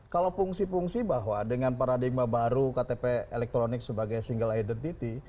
kalau fungsi fungsi bahwa dengan paradigma baru ktp elektronik sebagai single identity